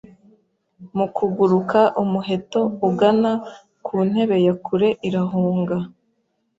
Mu kuguruka umuheto ugana ku ntebe ya kure irahunga